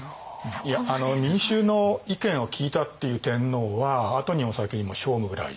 いや民衆の意見を聞いたっていう天皇は後にも先にも聖武ぐらい。